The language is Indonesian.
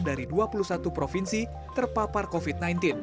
dari dua puluh satu provinsi terpapar covid sembilan belas